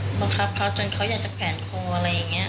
แล้วเขาบอกคับเขาจนเขาอยากจะแผ่นคออะไรอย่างนี้